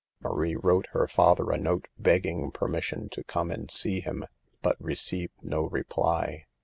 Marie wrote her father a note begging per mission to come and see him, but received no reply.